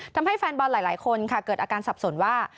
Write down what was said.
ทำให้แฟนบอลหลายคนค่ะเกิดอาการสับสนว่า